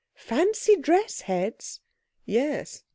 'Fancy dress heads!' 'Yes.